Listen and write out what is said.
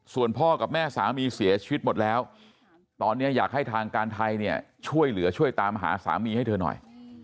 ส่วนพ่อกับแม่สามีเสียชีวิตหมดแล้วตอนนี้อยากให้ทางการไทยเนี่ยช่วยเหลือช่วยตามหาสามีให้เธอหน่อย